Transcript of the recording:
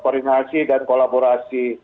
koordinasi dan kolaborasi